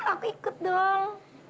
aku ikut dong